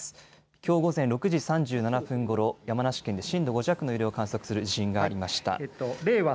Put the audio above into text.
きょう午前６時３７分ごろ、山梨県で震度５弱の揺れを観測する地震がありました。